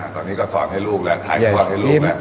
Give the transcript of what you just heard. ตอนนี้ก็สอนให้ลูกแหละไทยก็อดให้ลูกแหละ